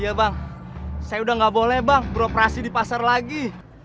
ya bang saya udah gak boleh bang beroperasi di pasar lagi